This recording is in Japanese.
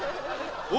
「お！」